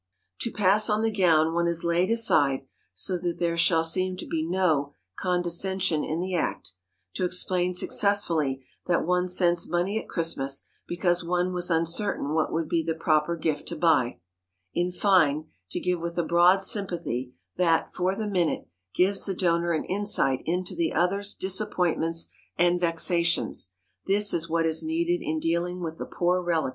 To pass on the gown one has laid aside so that there shall seem to be no condescension in the act; to explain successfully that one sends money at Christmas because one was uncertain what would be the proper gift to buy; in fine, to give with a broad sympathy that, for the minute, gives the donor an insight into the other's disappointments and vexations—this is what is needed in dealing with the poor relative.